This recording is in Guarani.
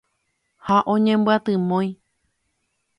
Ha oñemyatymói.